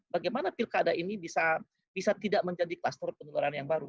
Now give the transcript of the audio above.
bagaimana pilkada ini bisa tidak menjadi kluster penularan yang baru